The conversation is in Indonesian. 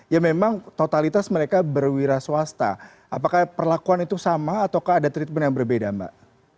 ya memang totalitas mereka berwira swasta apakah perlakuan itu sama ataukah ada treatment yang berbeda mbak